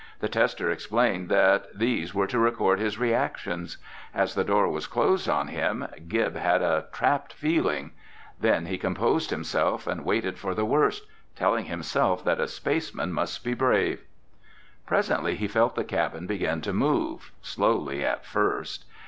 The tester explained that these were to record his reactions. As the door was closed on him. Gib had a trapped feeling. Then he composed himself and waited for the worst, telling himself that a spaceman must be brave. Presently he felt the cabin begin to move, slowly at first.